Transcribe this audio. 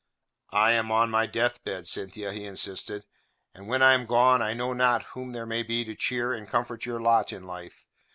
"I am on my death bed, Cynthia," he insisted, "and when I am gone I know not whom there may be to cheer and comfort your lot in life.